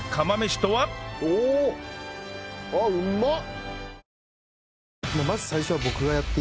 おおーっあっうまっ！